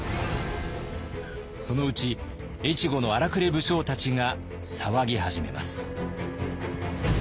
そのうち越後の荒くれ武将たちが騒ぎ始めます。